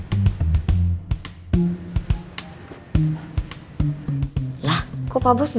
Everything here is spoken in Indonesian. saya budak ke blessed